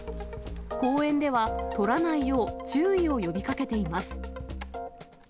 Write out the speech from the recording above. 公園では、採らないよう注意を呼びかけています。